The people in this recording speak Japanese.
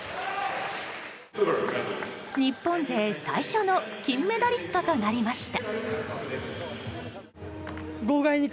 日本勢最初の金メダリストとなりました。